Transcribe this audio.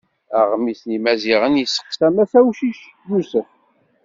Aɣmis n Yimaziɣen yesteqsa mass Awcic Yusef.